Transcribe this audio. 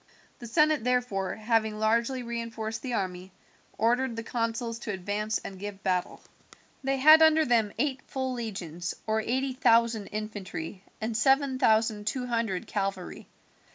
The senate therefore, having largely reinforced the army, ordered the consuls to advance and give battle. They had under them eight full legions, or eighty thousand infantry and seven thousand two hundred cavalry.